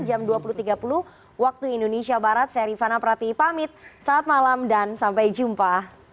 jam dua puluh tiga puluh waktu indonesia barat saya rifana prati pamit saat malam dan sampai jumpa